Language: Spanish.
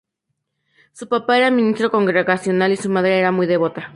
Su papá era un ministro Congregacional y su madre era muy devota.